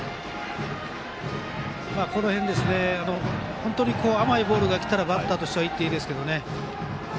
本当に甘いボールが来たらバッターとしてはいっていいですけどね。